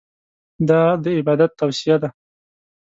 دا د عبادت توصیه ده.